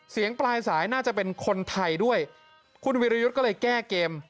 ปลายสายน่าจะเป็นคนไทยด้วยคุณวิรยุทธ์ก็เลยแก้เกม